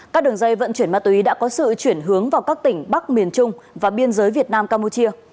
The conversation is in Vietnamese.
các đường dây vận chuyển ma túy đã có sự chuyển hướng vào các tỉnh bắc miền trung và biên giới việt nam campuchia